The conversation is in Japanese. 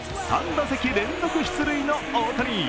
３打席連続出塁の大谷。